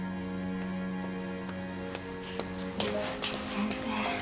先生